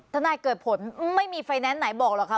นายเกิดผลไม่มีไฟแนนซ์ไหนบอกหรอกค่ะ